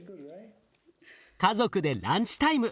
家族でランチタイム。